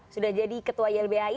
sudah jadi ketua ylbhi